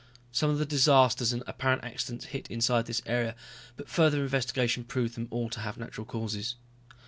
Some of the disasters and apparent accidents hit inside this area, but further investigation proved them all to have natural causes.